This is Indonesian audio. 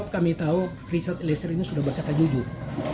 kami tahu richard eliezer ini sudah berkata jujur